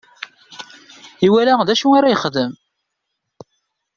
Iwala d acu ara yexdem.